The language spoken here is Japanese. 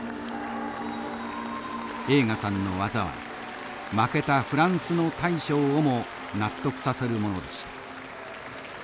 栄花さんの技は負けたフランスの大将をも納得させるものでした。